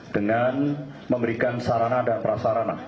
dengan memberikan sarana dan prasarana